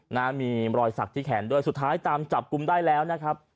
นะมีรอยสักที่แขนด้วยสุดท้ายตามจับกลุ่มได้แล้วนะครับ